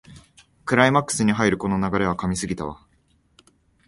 クライマックスに入るこの流れは神すぎだわ